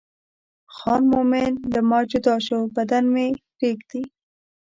خان مومن له ما جدا شو بدن مې رېږدي.